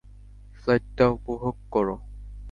ফ্লাইটটা উপভোগ কোরো!